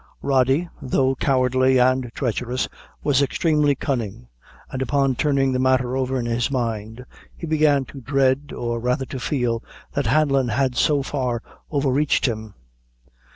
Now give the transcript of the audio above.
Rody, though cowardly and treacherous, was extremely cunning, and upon turning the matter over in his mind, he began to dread, or rather to feel that Hanlon had so far over reached him.